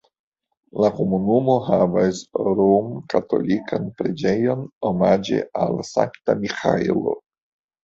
La komunumo havas romkatolikan preĝejon omaĝe al Sankta Miĥaelo.